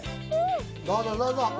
どうぞ、どうぞ。